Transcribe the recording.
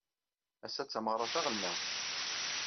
Ass-a d tameɣra taɣelnawt.